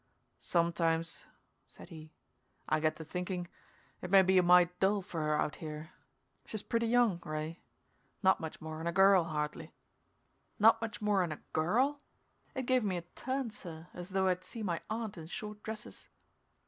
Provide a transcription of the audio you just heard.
"Sometimes," said he, "I get to thinking it may be a mite dull for her out here. She's pretty young, Ray. Not much more'n a girl, hardly." "Not much more'n a girl!" It gave me a turn, sir, as though I'd seen my aunt in short dresses.